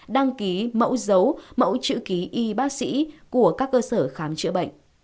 đăng ký mẫu giấu mẫu chữ ký y bác sĩ của các cơ sở khám chữa bệnh